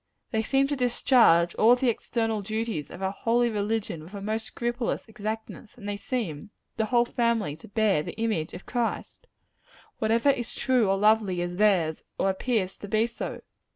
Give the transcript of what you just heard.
They seem to discharge all the external duties of our holy religion with a most scrupulous exactness; and they seem the whole family to bear the image of Christ. Whatever is true or lovely, is theirs; or appears to be so.